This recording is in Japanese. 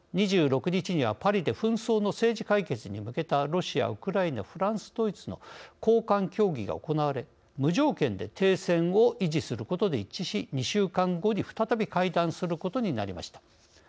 ２６日にはパリで紛争の政治解決に向けたロシア、ウクライナフランス、ドイツの高官協議が行われ無条件で停戦を維持することで一致し２週間後に再び会談することになりました。